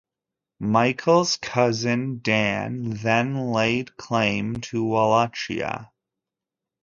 Michael's cousin, Dan, then laid claim to Wallachia.